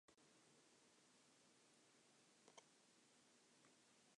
Under John Robarts, he was a cabinet minister overseeing the education portfolio.